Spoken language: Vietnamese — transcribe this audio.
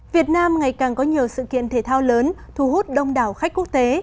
việt nam ngày càng có nhiều sự kiện thể thao lớn thu hút đông đảo khách quốc tế